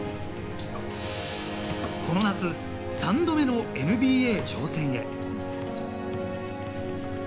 この夏、３度目のＮＢＡ挑戦へ。